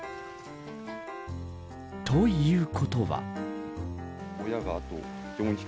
ということは。